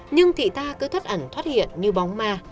nhưng thị ta cứ thoát ẩn thoát hiện như bóng ma